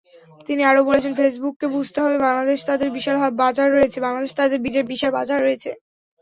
তিনি আরও বলেছেন ফেসবুককে বুঝতে হবে বাংলাদেশে তাদের বিশাল বাজার রয়েছে।